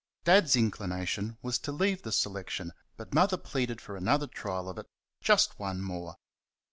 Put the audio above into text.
Dad's inclination was to leave the selection, but Mother pleaded for another trial of it just one more.